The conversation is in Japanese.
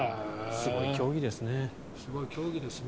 すごい競技ですね。